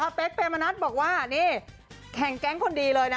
หมายถึงเพลมนัสที่บอกว่าแกงคนดีเลยนะ